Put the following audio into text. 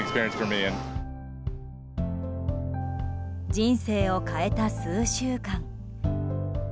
人生を変えた数週間。